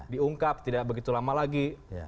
diungkap tidak begitu lama lagi